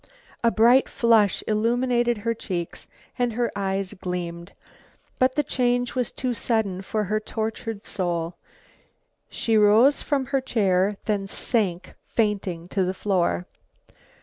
A bright flush illumined her cheeks and her eyes gleamed. But the change was too sudden for her tortured soul. She rose from her chair, then sank fainting to the floor.